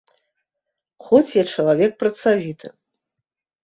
Хоць я чалавек працавіты.